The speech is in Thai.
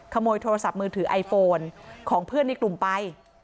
ขโมยโทรศัพท์มือถือไอโฟนของเพื่อนในกลุ่มไป